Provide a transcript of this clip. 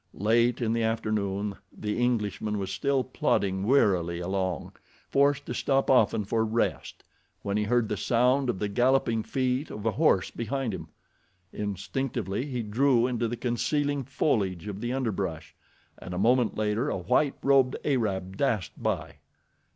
Late in the afternoon the Englishman was still plodding wearily along, forced to stop often for rest when he heard the sound of the galloping feet of a horse behind him. Instinctively he drew into the concealing foliage of the underbrush and a moment later a white robed Arab dashed by.